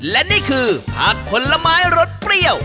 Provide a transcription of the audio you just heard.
และนี่คือผักผลไม้รสเปรี้ยว